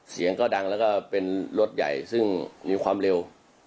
เสียงก็ดังแล้วก็เป็นรถใหญ่ซึ่งมีความเร็ว